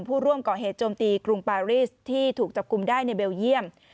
ผู้ร่วมก่อเหตุโจมตีกรุงปารีสที่ถูกจับกลุ่มได้ในเบลเยี่ยม